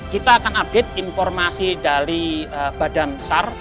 kita akan update informasi dari badan besar